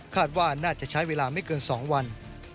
ว่าน่าจะใช้เวลาไม่เกิน๒วัน